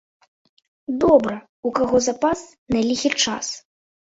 Добра, у каго запас на ліхі час.